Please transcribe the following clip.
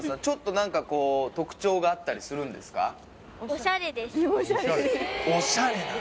ちょっと何かこう特徴があったりするんですか？